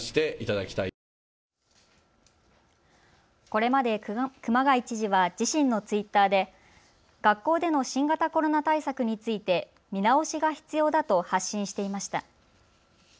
これまで熊谷知事は自身のツイッターで学校での新型コロナ対策について見直しが必要だと発信していました。